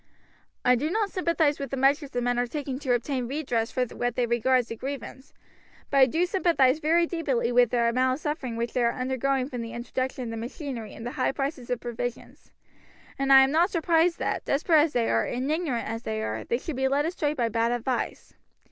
"I do not sympathize with the measures the men are taking to obtain redress for what they regard as a grievance; but I do sympathize very deeply with the amount of suffering which they are undergoing from the introduction of machinery and the high prices of provisions; and I am not surprised that, desperate as they are, and ignorant as they are, they should be led astray by bad advice.